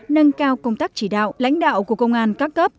nâng cao công tác chỉ đạo lãnh đạo của công an các cấp